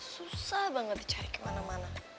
susah banget dicari kemana mana